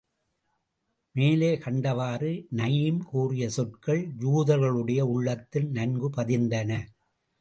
மேலே கண்டவாறு நயீம் கூறிய சொற்கள், யூதர்களுடைய உள்ளத்தில் நன்கு பதிந்தன.